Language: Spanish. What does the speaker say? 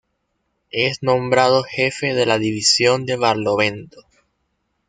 Es nombrado Jefe de la División de Barlovento.